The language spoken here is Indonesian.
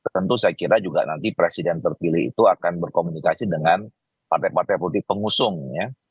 tentu saya kira juga nanti presiden terpilih itu akan berkomunikasi dengan partai partai politik pengusung ya